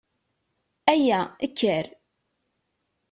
Aya! Kker!